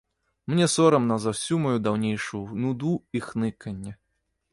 Мне сорамна за ўсю маю даўнейшую нуду і хныканне.